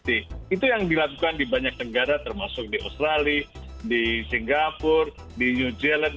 itu yang dilakukan di banyak negara termasuk di australia di singapura di new zealand